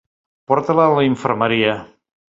Porta-la a la infermeria.